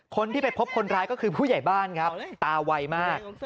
คนที่ไปพบคนร้ายก็คือผู้ใหญ่บ้านครับตาไวมาก